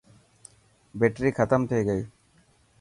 بيٽري ختم ٿي گئي.